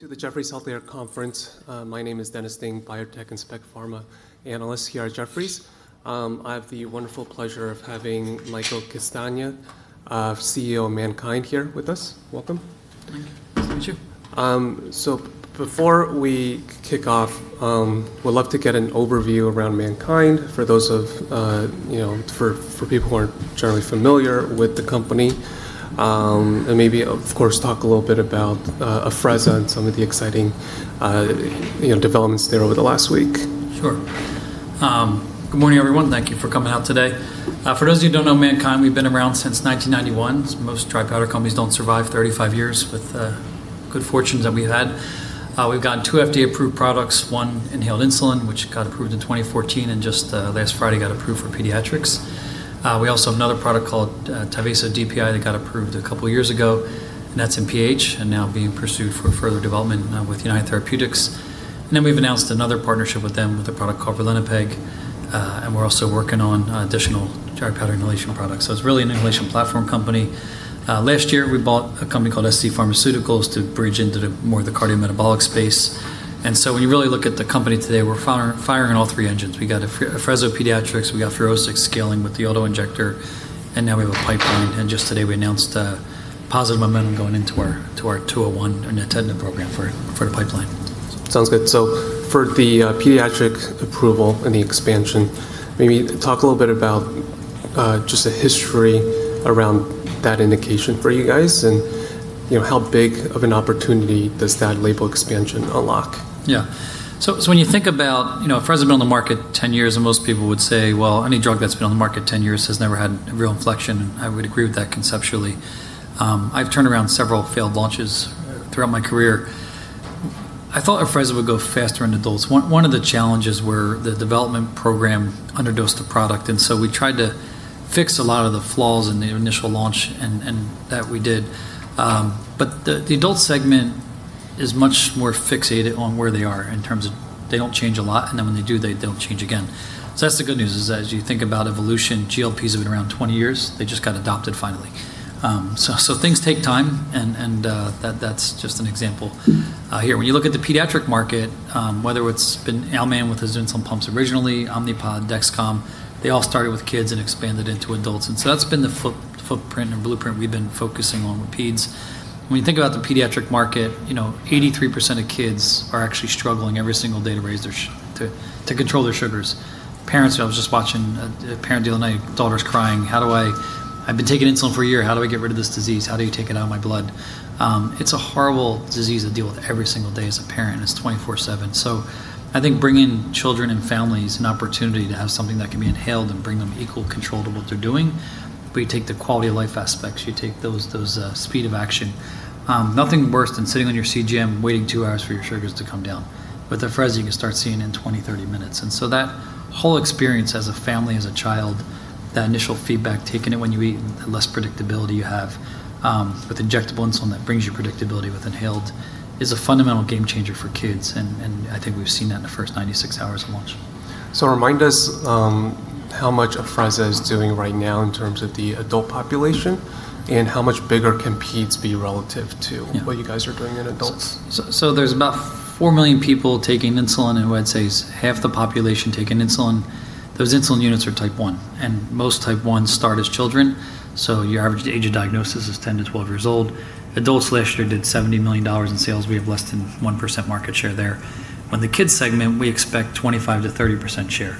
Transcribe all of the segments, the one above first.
Welcome to the Jefferies Healthcare Conference. My name is Dennis Ding, Biotech and Spec Pharma Analyst here at Jefferies. I have the wonderful pleasure of having Michael Castagna, CEO of MannKind, here with us. Welcome. Thank you. Nice to meet you. Before we kick off, would love to get an overview around MannKind for people who aren't generally familiar with the company. Maybe, of course, talk a little bit about Afrezza and some of the exciting developments there over the last week. Sure. Good morning, everyone. Thank you for coming out today. For those of you who don't know MannKind, we've been around since 1991, so most dry powder companies don't survive 35 years with good fortunes that we've had. We've gotten two FDA-approved products, one inhaled insulin, which got approved in 2014 and just last Friday got approved for pediatrics. We also have another product called TYVASO DPI that got approved a couple of years ago, and that's in PH and now being pursued for further development now with United Therapeutics. We've announced another partnership with them, with a product called ralinepag, and we're also working on additional dry powder inhalation products. It's really an inhalation platform company. Last year, we bought a company called scPharmaceuticals to bridge into more of the cardiometabolic space. When you really look at the company today, we're firing on all three engines. We got Afrezza pediatrics, we got FUROSCIX scaling with the auto-injector, and now we have a pipeline. Just today, we announced a positive momentum going into our 201 nintedanib program for the pipeline. Sounds good. For the pediatric approval and the expansion, maybe talk a little bit about just the history around that indication for you guys and how big of an opportunity does that label expansion unlock? Yeah. When you think about, Afrezza has been on the market 10 years, most people would say, "Well, any drug that's been on the market 10 years has never had a real inflection," I would agree with that conceptually. I've turned around several failed launches throughout my career. I thought Afrezza would go faster in adults. One of the challenges were the development program underdosed the product, we tried to fix a lot of the flaws in the initial launch, that we did. The adult segment is much more fixated on where they are in terms of they don't change a lot, when they do, they don't change again. That's the good news, is as you think about evolution, GLPs have been around 20 years. They just got adopted finally. Things take time, that's just an example here. When you look at the pediatric market, whether it's been Al Mann with his insulin pumps originally, Omnipod, Dexcom, they all started with kids and expanded into adults. That's been the footprint and blueprint we've been focusing on with peds. When you think about the pediatric market, 83% of kids are actually struggling every single day to control their sugars. I was just watching a parent the other night, daughter's crying, "I've been taking insulin for a year. How do I get rid of this disease? How do you take it out of my blood?" It's a horrible disease to deal with every single day as a parent, and it's 24/7. I think bringing children and families an opportunity to have something that can be inhaled and bring them equal control to what they're doing, but you take the quality-of-life aspects, you take those speed of action. Nothing worse than sitting on your CGM waiting two hours for your sugars to come down. With Afrezza, you can start seeing in 20, 30 minutes. That whole experience as a family, as a child, that initial feedback, taking it when you eat, the less predictability you have. With injectable insulin, that brings you predictability with inhaled, is a fundamental game changer for kids, and I think we've seen that in the first 96 hours of launch. Remind us how much Afrezza is doing right now in terms of the adult population, and how much bigger can peds be relative to what you guys are doing in adults? There's about 4 million people taking insulin, and I would say it's half the population taking insulin. Those insulin units are Type 1, and most Type 1s start as children, so your average age of diagnosis is 10-12 years old. Adults last year did $70 million in sales. We have less than 1% market share there. On the kids segment, we expect 25%-30% share.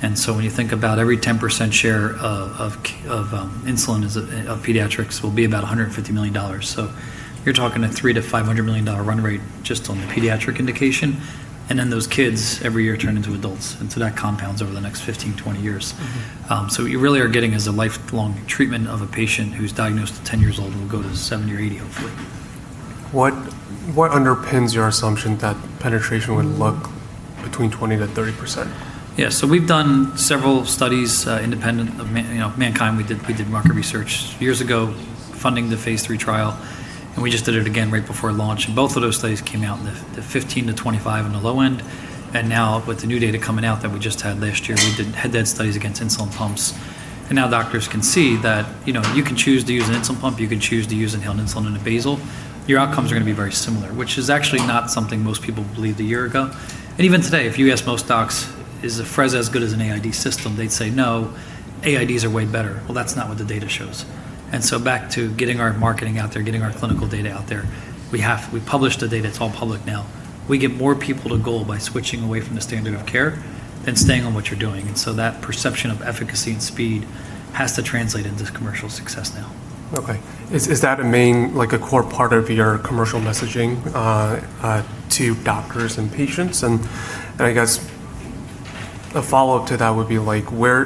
When you think about every 10% share of insulin, of pediatrics, will be about $150 million. You're talking a $300 million-$500 million run rate just on the pediatric indication. Then those kids every year turn into adults, and so that compounds over the next 15-20 years. What you really are getting is a lifelong treatment of a patient who's diagnosed at 10 years old and will go to 70 or 80, hopefully. What underpins your assumption that penetration would look between 20% to 30%? We've done several studies independent of MannKind. We did market research years ago funding the phase III trial, we just did it again right before launch, both of those studies came out with the 15-25 on the low end. Now with the new data coming out that we just had last year, we did head-to-head studies against insulin pumps. Now doctors can see that you can choose to use an insulin pump, you can choose to use inhaled insulin and a basal. Your outcomes are going to be very similar, which is actually not something most people believed a year ago. Even today, if you ask most docs, "Is Afrezza as good as an AID system?" They'd say, "No, AIDs are way better." Well, that's not what the data shows. Back to getting our marketing out there, getting our clinical data out there. We published the data. It's all public now. We get more people to goal by switching away from the standard of care than staying on what you're doing. That perception of efficacy and speed has to translate into commercial success now. Okay. Is that a main, a core part of your commercial messaging to doctors and patients? I guess a follow-up to that would be where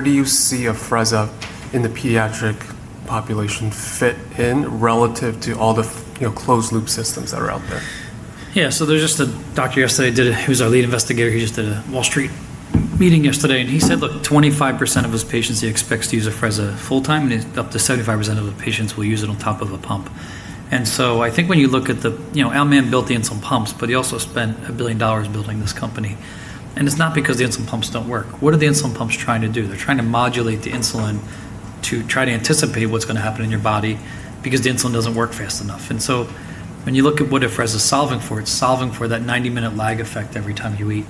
do you see Afrezza in the pediatric population fit in relative to all the closed-loop systems that are out there? Yeah. There's just a doctor yesterday. He was our lead investigator. He just did a Wall Street meeting yesterday, and he said, look, 25% of his patients, he expects to use Afrezza full-time, and up to 75% of the patients will use it on top of a pump. I think when you look at the, Al Mann built the insulin pumps, but he also spent $1 billion building this company. It's not because the insulin pumps don't work. What are the insulin pumps trying to do? They're trying to modulate the insulin to try to anticipate what's going to happen in your body, because the insulin doesn't work fast enough. When you look at what Afrezza's solving for, it's solving for that 90-minute lag effect every time you eat.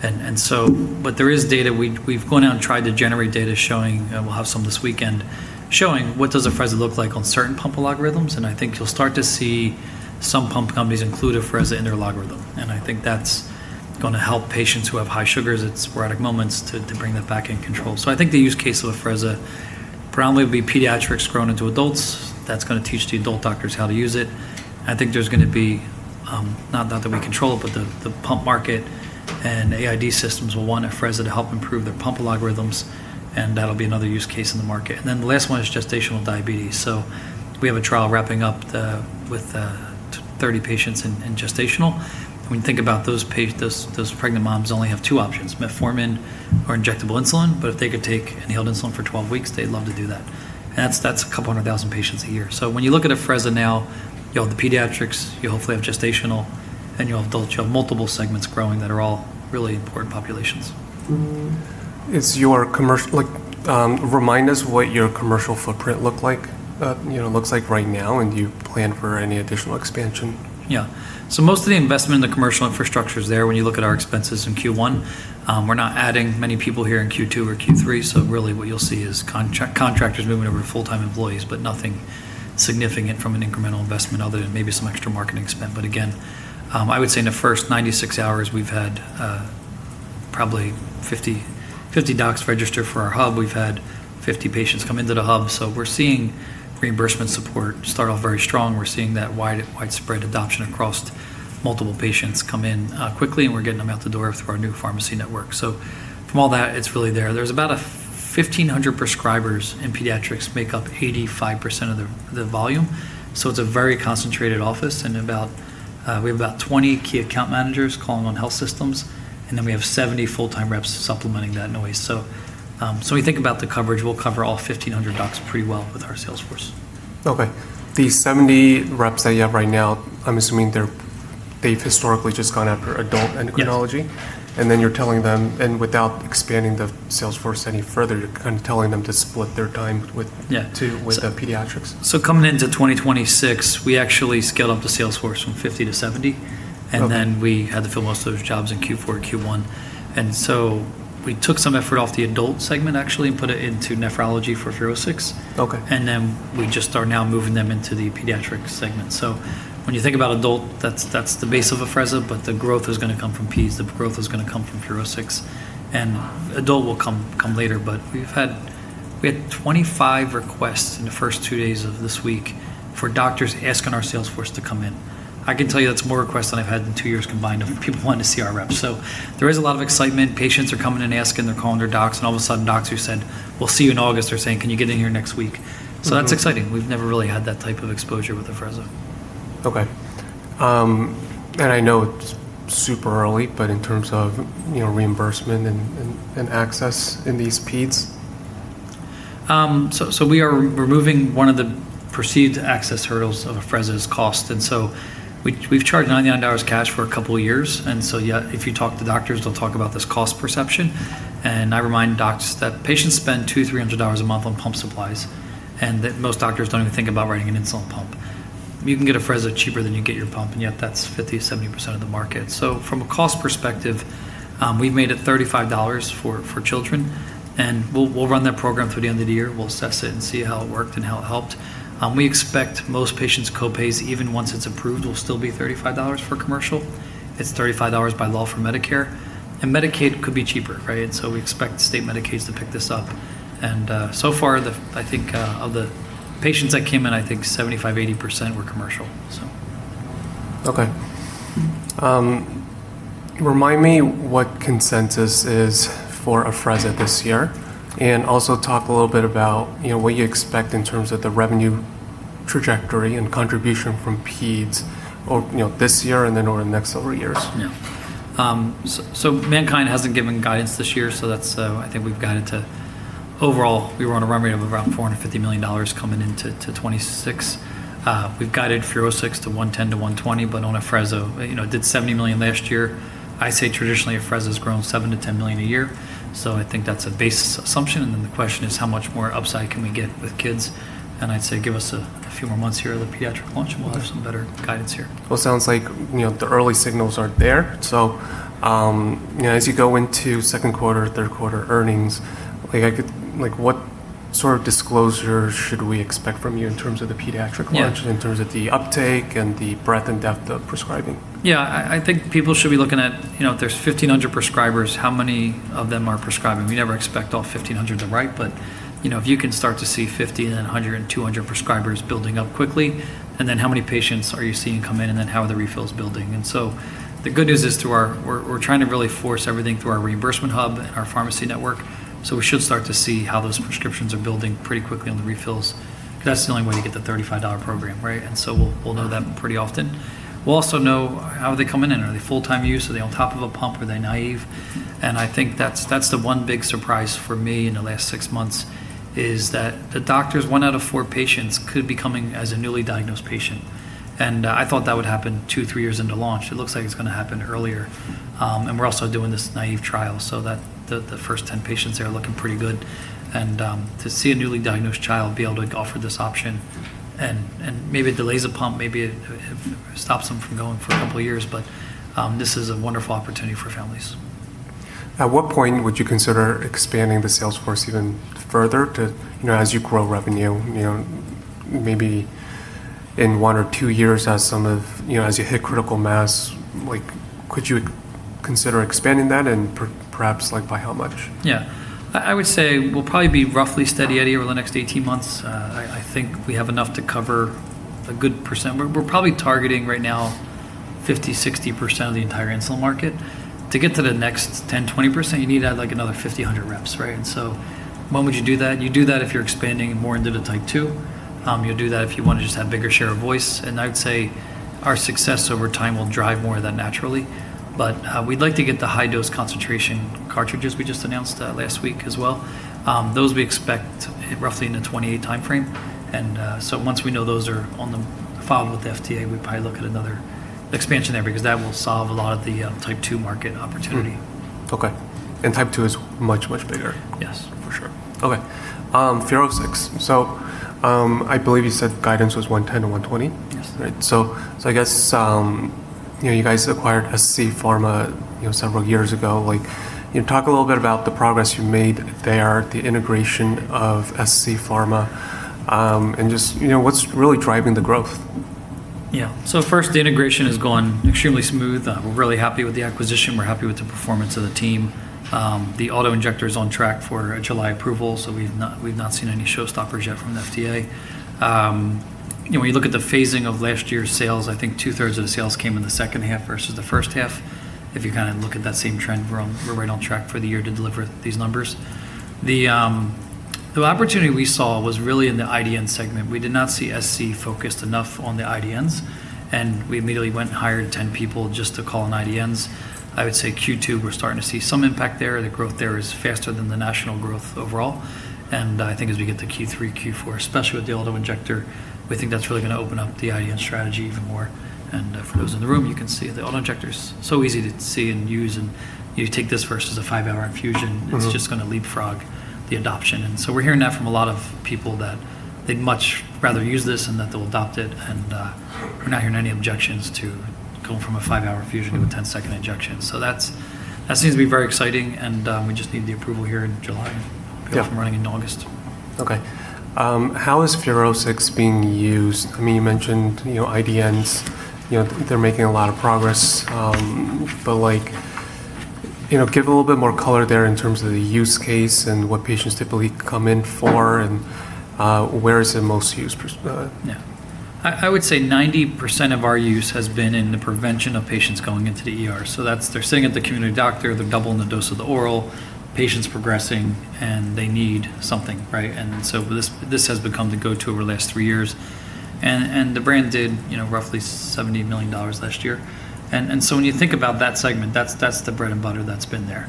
There is data. We've gone out and tried to generate data, and we'll have some this weekend, showing what does Afrezza look like on certain pump algorithms. I think you'll start to see some pump companies include Afrezza in their algorithm. I think that's going to help patients who have high sugars at sporadic moments to bring that back in control. I think the use case of Afrezza probably will be pediatrics grown into adults. That's going to teach the adult doctors how to use it. I think there's going to be, not that we control it, but the pump market and AID systems will want Afrezza to help improve their pump algorithms, and that'll be another use case in the market. The last one is gestational diabetes. We have a trial wrapping up with 30 patients in gestational. When you think about those pregnant moms only have two options, metformin or injectable insulin. If they could take inhaled insulin for 12 weeks, they'd love to do that. That's a couple hundred thousand patients a year. When you look at Afrezza now, the pediatrics, you'll hopefully have gestational, and you'll have multiple segments growing that are all really important populations. Remind us what your commercial footprint looks like right now, and do you plan for any additional expansion? Yeah. Most of the investment in the commercial infrastructure is there. When you look at our expenses in Q1, we're not adding many people here in Q2 or Q3. Really what you'll see is contractors moving over to full-time employees, but nothing significant from an incremental investment other than maybe some extra marketing spend. But again, I would say in the first 96 hours, we've had probably 50 docs register for our hub. We've had 50 patients come into the hub. We're seeing reimbursement support start off very strong. We're seeing that widespread adoption across multiple patients come in quickly, and we're getting them out the door through our new pharmacy network. From all that, it's really there. There's about 1,500 prescribers, and pediatrics make up 85% of the volume. It's a very concentrated office. We have about 20 key account managers calling on health systems, and then we have 70 full-time reps supplementing that noise. When you think about the coverage, we'll cover all 1,500 docs pretty well with our sales force. Okay. The 70 reps that you have right now, I'm assuming they've historically just gone after adult endocrinology? Without expanding the sales force any further, you're kind of telling them to split their time— Yeah. Too, with the pediatrics. Coming into 2026, we actually scaled up the sales force from 50 to 70. Okay. We had to fill most of those jobs in Q4, Q1. We took some effort off the adult segment, actually, and put it into nephrology for FUROSCIX. Okay. We just are now moving them into the pediatric segment. When you think about adult, that's the base of Afrezza, but the growth is going to come from peds, the growth is going to come from FUROSCIX, and adult will come later. We had 25 requests in the first two days of this week for doctors asking our sales force to come in. I can tell you that's more requests than I've had in two years combined of people wanting to see our reps. There is a lot of excitement. Patients are coming and asking. They're calling their docs, and all of a sudden, docs who said, "We'll see you in August," are saying, "Can you get in here next week? That's exciting. We've never really had that type of exposure with Afrezza. Okay. I know it's super early, but in terms of reimbursement and access in these peds? We are removing one of the perceived access hurdles of Afrezza's cost. We've charged $99 cash for a couple of years. Yet, if you talk to doctors, they'll talk about this cost perception. I remind docs that patients spend $200, $300 a month on pump supplies, and that most doctors don't even think about writing an insulin pump. You can get Afrezza cheaper than you get your pump, and yet that's 50%-70% of the market. From a cost perspective, we've made it $35 for children, and we'll run that program through the end of the year. We'll assess it and see how it worked and how it helped. We expect most patients' co-pays, even once it's approved, will still be $35 for commercial. It's $35 by law for Medicare, and Medicaid could be cheaper, right? We expect state Medicaids to pick this up. So far, I think of the patients that came in, I think 75%, 80% were commercial. Okay. Remind me what consensus is for Afrezza this year. Also talk a little bit about what you expect in terms of the revenue trajectory and contribution from peds this year and then over the next several years. Yeah. MannKind hasn't given guidance this year. I think we've guided to, overall, we were on a run rate of around $450 million coming into 2026. We've guided FUROSCIX to $110 million-$120 million, but on Afrezza, it did $70 million last year. I say traditionally, Afrezza's grown $7 million-$10 million a year. I think that's a base assumption. The question is how much more upside can we get with kids? I'd say give us a few more months here on the pediatric launch, and we'll have some better guidance here. Well, it sounds like the early signals are there. As you go into second quarter, third quarter earnings, what sort of disclosure should we expect from you in terms of the pediatric launch? Yeah. In terms of the uptake and the breadth and depth of prescribing? Yeah. I think people should be looking at if there's 1,500 prescribers, how many of them are prescribing? We never expect all 1,500 to write. If you can start to see 50, and then 100, and 200 prescribers building up quickly, and then how many patients are you seeing come in, and then how are the refills building? The good news is we're trying to really force everything through our reimbursement hub and our pharmacy network. We should start to see how those prescriptions are building pretty quickly on the refills, because that's the only way you get the $35 program, right? We'll know that pretty often. We'll also know how they come in. Are they full-time use? Are they on top of a pump? Are they naive? I think that's the one big surprise for me in the last six months is that the doctors, one out of four patients could be coming as a newly diagnosed patient. I thought that would happen two, three years into launch. It looks like it's going to happen earlier. We're also doing this naive trial so that the first 10 patients, they're looking pretty good. To see a newly diagnosed child be able to offer this option and maybe it delays a pump, maybe it stops them from going for a couple of years, but, this is a wonderful opportunity for families. At what point would you consider expanding the sales force even further to, as you grow revenue, maybe in one or two years as you hit critical mass, could you consider expanding that and perhaps, by how much? Yeah. I would say we'll probably be roughly steady Eddie over the next 18 months. I think we have enough to cover a good percent. We're probably targeting right now 50%-60% of the entire insulin market. To get to the next 10%-20%, you need to add another 50-100 reps, right? When would you do that? You do that if you're expanding more into the Type 2. You'll do that if you want to just have bigger share of voice, and I'd say our success over time will drive more of that naturally. We'd like to get the high dose concentration cartridges we just announced last week as well. Those we expect roughly in the 2028 timeframe. Once we know those are on the file with the FDA, we'd probably look at another expansion there, because that will solve a lot of the Type 2 market opportunity. Mm-hmm. Okay. Type 2 is much bigger. Yes. For sure. Okay. FUROSCIX, I believe you said guidance was $110 million-$120 million? Yes. Right. I guess, you guys acquired scPharma several years ago. Talk a little bit about the progress you made there, the integration of scPharma, and just what's really driving the growth? Yeah. First, the integration has gone extremely smooth. We're really happy with the acquisition. We're happy with the performance of the team. The auto-injector's on track for a July approval, so we've not seen any showstoppers yet from the FDA. When you look at the phasing of last year's sales, I think 2/3 of the sales came in the second half versus the first half. If you look at that same trend, we're right on track for the year to deliver these numbers. The opportunity we saw was really in the IDN segment. We did not see sc focused enough on the IDNs, and we immediately went and hired 10 people just to call on IDNs. I would say Q2, we're starting to see some impact there. The growth there is faster than the national growth overall, and I think as we get to Q3, Q4, especially with the auto-injector, we think that's really going to open up the IDN strategy even more. For those in the room, you can see the auto-injector's so easy to see and use, and you take this versus a five-hour infusion. It's just going to leapfrog the adoption. We're hearing that from a lot of people that they'd much rather use this, and that they'll adopt it, and we're not hearing any objections to going from a five-hour infusion to a 10-second injection. That seems to be very exciting, and we just need the approval here in July. Yeah. Be up and running in August. Okay. How is FUROSCIX being used? You mentioned IDNs. They're making a lot of progress, but give a little bit more color there in terms of the use case and what patients typically come in for, and where is it most used? I would say 90% of our use has been in the prevention of patients going into the ER. That's they're sitting at the community doctor, they're doubling the dose of the oral, patient's progressing, and they need something, right? This has become the go-to over the last three years. The brand did roughly $78 million last year. When you think about that segment, that's the bread and butter that's been there.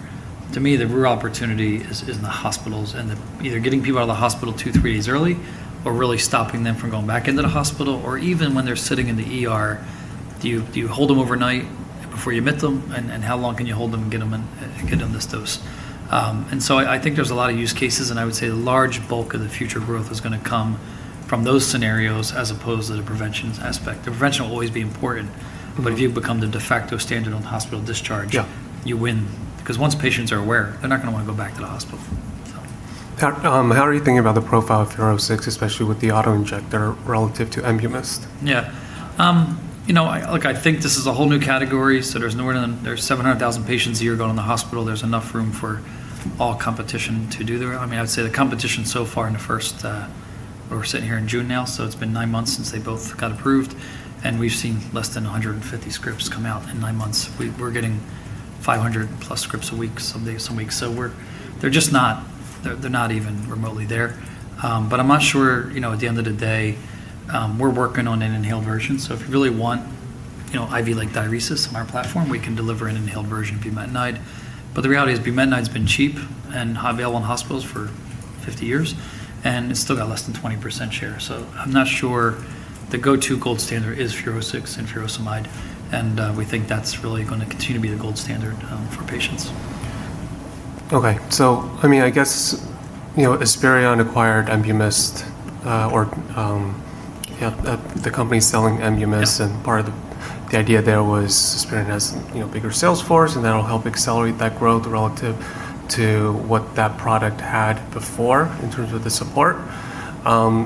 To me, the real opportunity is in the hospitals and either getting people out of the hospital two, three days early or really stopping them from going back into the hospital. Even when they're sitting in the ER, do you hold them overnight before you admit them, and how long can you hold them and get them this dose? I think there's a lot of use cases, and I would say the large bulk of the future growth is going to come from those scenarios as opposed to the preventions aspect. The prevention will always be important. If you become the de facto standard on hospital discharge— Yeah. You win, because once patients are aware, they're not going to want to go back to the hospital. How are you thinking about the profile of FUROSCIX, especially with the auto-injector relative to ENBUMYST? Look, I think this is a whole new category. There's 700,000 patients a year going in the hospital. There's enough room for all competition. I would say the competition so far in the first, we're sitting here in June now. It's been nine months since they both got approved. We've seen less than 150 scripts come out in nine months. We're getting 500+ scripts a week some weeks. They're not even remotely there. I'm not sure, at the end of the day, we're working on an inhaled version. If you really want IV-like diuresis from our platform, we can deliver an inhaled version of bumetanide. The reality is bumetanide's been cheap and available in hospitals for 50 years. It's still got less than 20% share. I'm not sure the go-to gold standard is FUROSCIX and furosemide, and we think that's really going to continue to be the gold standard for patients. Okay. I guess, Esperion acquired ENBUMYST, or the company's selling bumetanide part of the idea there was Esperion has bigger sales force, and that'll help accelerate that growth relative to what that product had before in terms of the support.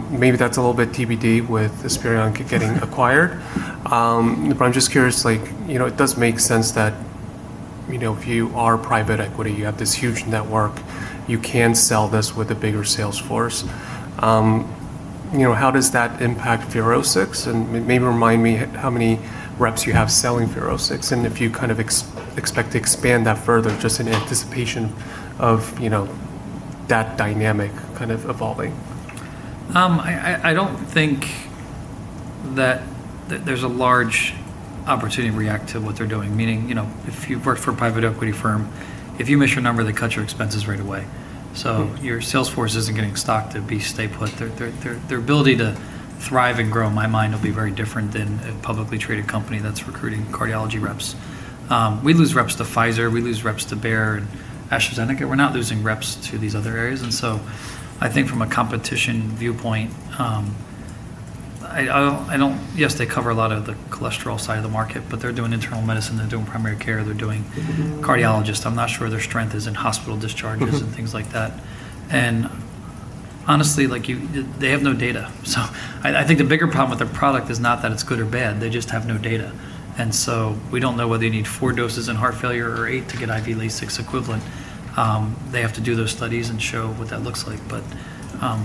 Maybe that's a little bit TBD with Esperion getting acquired. I'm just curious, it does make sense that if you are private equity, you have this huge network, you can sell this with a bigger sales force. How does that impact FUROSCIX? Maybe remind me how many reps you have selling FUROSCIX and if you kind of expect to expand that further just in anticipation of that dynamic evolving. I don't think that there's a large opportunity to react to what they're doing. Meaning, if you've worked for a private equity firm, if you miss your number, they cut your expenses right away. Your sales force isn't getting stock to be stay put. Their ability to thrive and grow, in my mind, will be very different than a publicly traded company that's recruiting cardiology reps. We lose reps to Pfizer, we lose reps to Bayer and AstraZeneca. We're not losing reps to these other areas. I think from a competition viewpoint, yes, they cover a lot of the cholesterol side of the market, but they're doing internal medicine, they're doing primary care, they're doing cardiologists. I'm not sure their strength is in hospital discharges and things like that. Honestly, they have no data. I think the bigger problem with their product is not that it's good or bad, they just have no data. We don't know whether you need four doses in heart failure or eight to get IV Lasix equivalent. They have to do those studies and show what that looks like.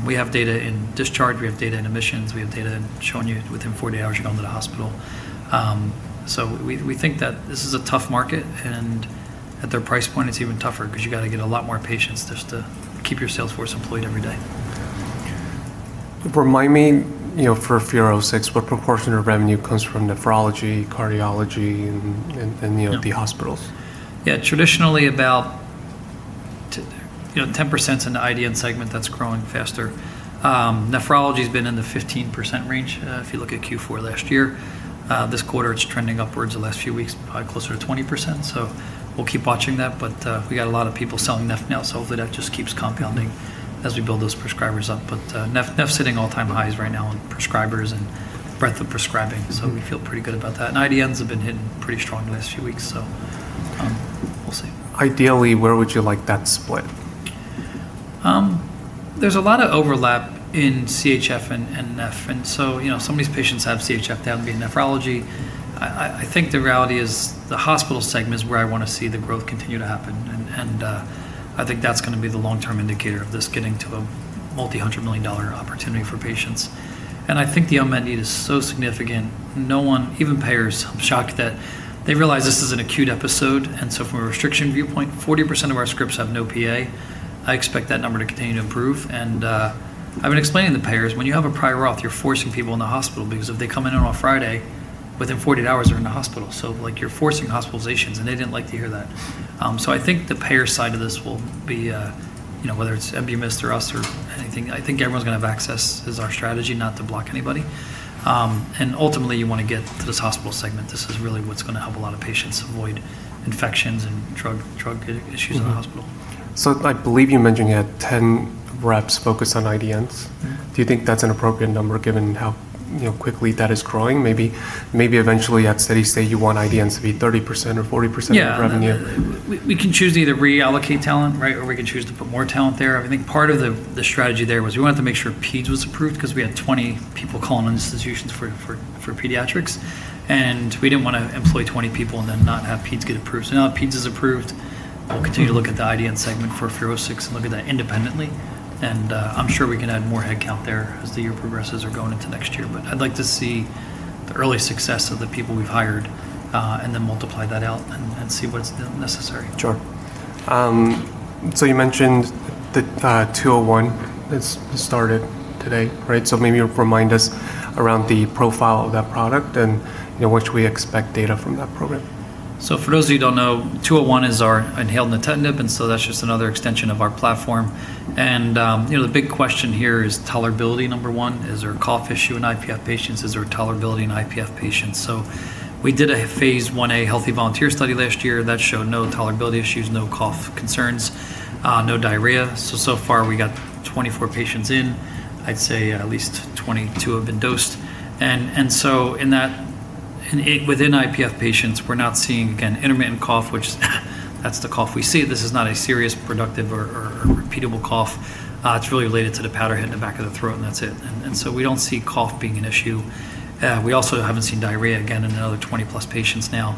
We have data in discharge, we have data in admissions, we have data showing you within 48 hours you're going to the hospital. We think that this is a tough market, and at their price point it's even tougher because you got to get a lot more patients just to keep your sales force employed every day. Remind me, for FUROSCIX, what proportion of revenue comes from nephrology, cardiology, and the hospitals? Yeah. Traditionally, about 10% in the IDN segment, that's growing faster. Nephrology's been in the 15% range, if you look at Q4 last year. This quarter it's trending upwards the last few weeks, probably closer to 20%. We'll keep watching that. We got a lot of people selling neph now, so hopefully that just keeps compounding as we build those prescribers up. Neph's hitting all-time highs right now on prescribers and breadth of prescribing, so we feel pretty good about that. IDNs have been hitting pretty strong the last few weeks, so we'll see. Ideally, where would you like that split? There's a lot of overlap in CHF and neph. Some of these patients have CHF, they happen to be in nephrology. I think the reality is the hospital segment is where I want to see the growth continue to happen, and I think that's going to be the long-term indicator of this getting to a multi-hundred million dollar opportunity for patients. I think the unmet need is so significant, no one, even payers, I'm shocked that they realize this is an acute episode. From a restriction viewpoint, 40% of our scripts have no PA. I expect that number to continue to improve. I've been explaining to the payers, when you have a prior auth, you're forcing people in the hospital because if they come in on a Friday, within 48 hours they're in the hospital. You're forcing hospitalizations, and they didn't like to hear that. I think the payer side of this will be, whether it's ENBUMYST or us or anything, I think everyone's going to have access is our strategy, not to block anybody. Ultimately you want to get to this hospital segment. This is really what's going to help a lot of patients avoid infections and drug issues in the hospital. I believe you mentioned you had 10 reps focused on IDNs. Do you think that's an appropriate number given how quickly that is growing? Maybe eventually at steady state you want IDNs to be 30% or 40% of revenue. Yeah. We can choose to either reallocate talent, right? We can choose to put more talent there. I think part of the strategy there was we wanted to make sure peds was approved because we had 20 people calling on institutions for pediatrics, and we didn't want to employ 20 people and then not have peds get approved. Now that peds is approved, we'll continue to look at the IDN segment for FUROSCIX and look at that independently. I'm sure we can add more headcount there as the year progresses or going into next year. I'd like to see the early success of the people we've hired, and then multiply that out and see what's necessary. Sure. You mentioned the 201 that's started today, right? Maybe remind us around the profile of that product and when should we expect data from that program. For those of you who don't know, 201 is our inhaled nintedanib, that's just another extension of our platform. The big question here is tolerability, number 1. Is there a cough issue in IPF patients? Is there a tolerability in IPF patients? We did a phase I-A healthy volunteer study last year that showed no tolerability issues, no cough concerns, no diarrhea. So far we got 24 patients in. I'd say at least 22 have been dosed. Within IPF patients, we're not seeing, again, intermittent cough, which is that's the cough we see. This is not a serious productive or repeatable cough. It's really related to the powder hitting the back of the throat and that's it. We don't see cough being an issue. We also haven't seen diarrhea again in another 20+ patients now.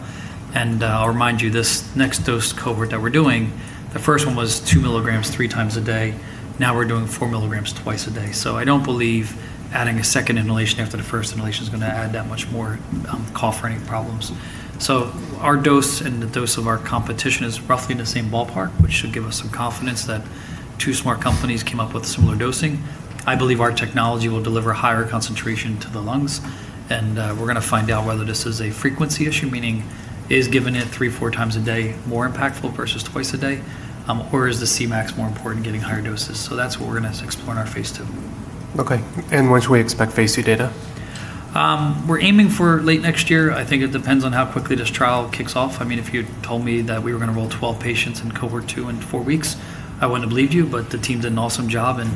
I'll remind you, this next dose cohort that we're doing, the first one was 2 mg three times a day. Now we're doing 4 mg twice a day. I don't believe adding a second inhalation after the first inhalation is going to add that much more cough or any problems. Our dose and the dose of our competition is roughly in the same ballpark, which should give us some confidence that two smart companies came up with similar dosing. I believe our technology will deliver higher concentration to the lungs, and we're going to find out whether this is a frequency issue, meaning is giving it three, four times a day more impactful versus twice a day? Is the Cmax more important getting higher doses? That's what we're going to explore in our phase II. Okay. When should we expect phase II data? We're aiming for late next year. I think it depends on how quickly this trial kicks off. If you'd told me that we were going to roll 12 patients in cohort 2 in four weeks, I wouldn't have believed you, but the team did an awesome job and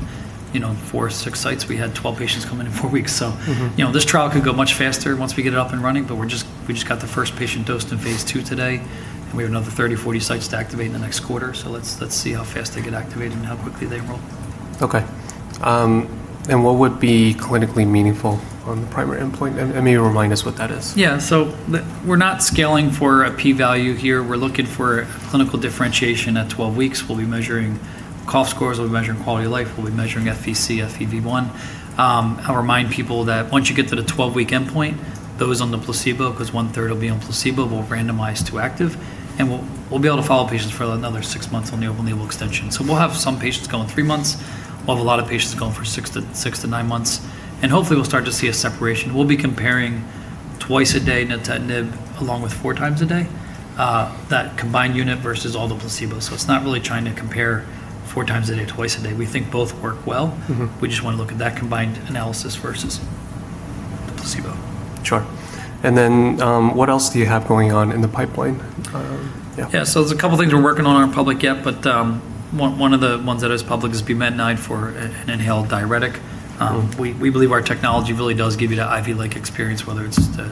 for six sites, we had 12 patients come in in four weeks. This trial could go much faster once we get it up and running, but we just got the first patient dosed in phase II today, and we have another 30, 40 sites to activate in the next quarter. Let's see how fast they get activated and how quickly they roll. Okay. What would be clinically meaningful on the primary endpoint? Maybe remind us what that is. We are not scaling for a P-value here. We are looking for clinical differentiation at 12 weeks. We will be measuring cough scores, we will be measuring quality of life, we will be measuring FVC, FEV1. I will remind people that once you get to the 12-week endpoint, those on the placebo, because one-third will be on placebo, we will randomize to active, and we will be able to follow patients for another six months on the open-label extension. We will have some patients going three months. We will have a lot of patients going for six to nine months. Hopefully we will start to see a separation. We will be comparing twice a day nintedanib along with four times a day, that combined unit versus all the placebo. It is not really trying to compare four times a day, twice a day. We think both work well. We just want to look at that combined analysis versus the placebo. Sure. What else do you have going on in the pipeline? Yeah. Yeah. There's a couple things we're working on aren't public yet, but one of the ones that is public is bumetanide for an inhaled diuretic. We believe our technology really does give you that IV-like experience, whether it's the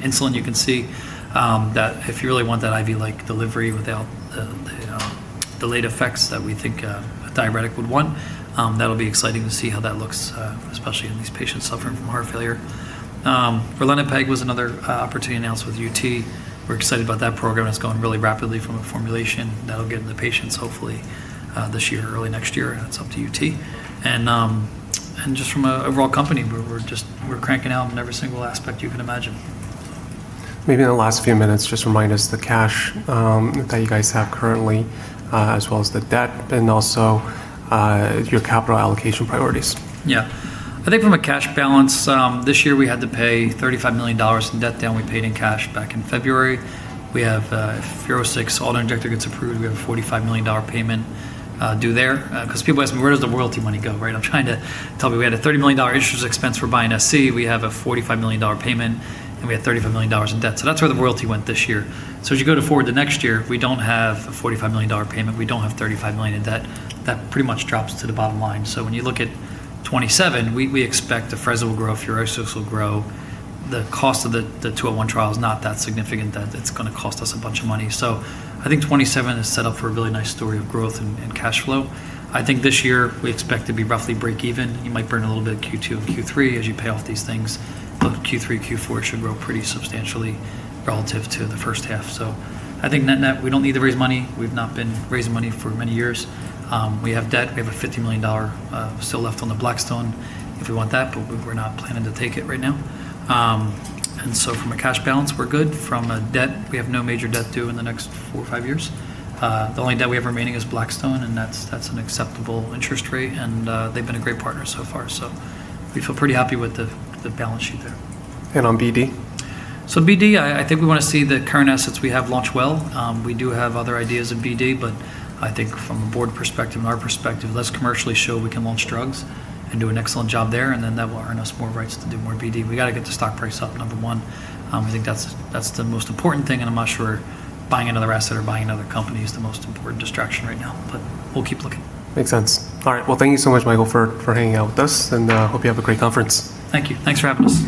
insulin. You can see that if you really want that IV-like delivery without the delayed effects that we think a diuretic would want, that'll be exciting to see how that looks, especially in these patients suffering from heart failure. Ralinepag was another opportunity announced with UT. We're excited about that program. It's going really rapidly from a formulation that'll get into patients hopefully this year, early next year. That's up to UT. Just from an overall company, we're cranking out in every single aspect you can imagine. Maybe in the last few minutes, just remind us the cash that you guys have currently, as well as the debt and also your capital allocation priorities. Yeah. I think from a cash balance, this year we had to pay $35 million in debt down. We paid in cash back in February. We have FUROSCIX, if all our injector gets approved, we have a $45 million payment due there. People ask me, "Where does the royalty money go?" Right. I'm trying to tell people we had a $30 million interest expense for buying sc, we have a $45 million payment, and we had $35 million in debt. That's where the royalty went this year. As you go to forward to next year, we don't have a $45 million payment. We don't have $35 million in debt. That pretty much drops to the bottom line. When you look at 2027, we expect Afrezza will grow, FUROSCIX will grow. The cost of the 201 trial is not that significant that it's going to cost us a bunch of money. I think 2027 is set up for a really nice story of growth and cash flow. I think this year we expect to be roughly break even. You might burn a little bit in Q2 and Q3 as you pay off these things, but Q3, Q4 should grow pretty substantially relative to the first half. I think net-net, we don't need to raise money. We've not been raising money for many years. We have debt. We have a $50 million still left on the Blackstone if we want that, but we're not planning to take it right now. From a cash balance, we're good. From a debt, we have no major debt due in the next four or five years. The only debt we have remaining is Blackstone, and that's an acceptable interest rate, and they've been a great partner so far. We feel pretty happy with the balance sheet there. On BD? BD, I think we want to see the current assets we have launch well. We do have other ideas in BD, I think from a board perspective and our perspective, let's commercially show we can launch drugs and do an excellent job there that will earn us more rights to do more BD. We got to get the stock price up, number one. I think that's the most important thing, I'm not sure buying another asset or buying another company is the most important distraction right now. We'll keep looking. Makes sense. All right. Well, thank you so much, Michael, for hanging out with us, and hope you have a great conference. Thank you. Thanks for having us.